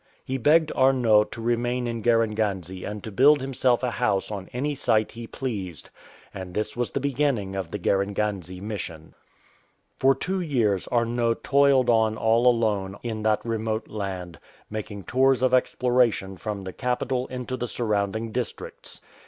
He begged Arnot to remain in Garenganze and to build himself a house on any site he pleased ; and this was the beginning of the Garenganze Mission. 167 CHEETAHS AND HYENAS For two years Arnot toiled on all alone in that remote land, making tours of exploration from the capital into the surrounding districts.